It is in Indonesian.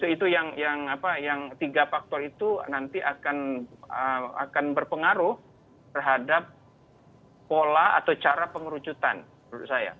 itu yang tiga faktor itu nanti akan berpengaruh terhadap pola atau cara pengerucutan menurut saya